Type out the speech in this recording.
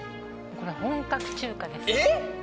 これ本格中華です。